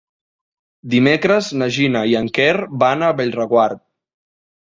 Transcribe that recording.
Dimecres na Gina i en Quer van a Bellreguard.